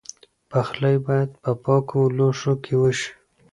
پخلی باید په پاکو لوښو کې وشي.